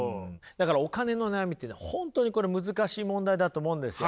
だからお金の悩みっていうのは本当にこれ難しい問題だと思うんですよ。